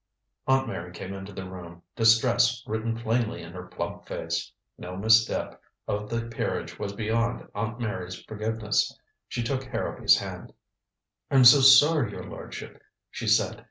Aunt Mary came into the room, distress written plainly in her plump face. No misstep of the peerage was beyond Aunt Mary's forgiveness. She took Harrowby's hand. "I'm so sorry, your lordship," she said.